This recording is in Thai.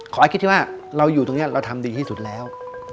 ไอคิดที่ว่าเราอยู่ตรงนี้เราทำดีที่สุดแล้ว